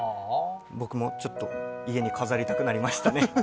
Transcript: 僕もちょっと家に飾りたくなりましたね。